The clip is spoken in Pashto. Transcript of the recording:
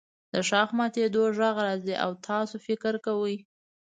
د ښاخ ماتیدو غږ راځي او تاسو فکر کوئ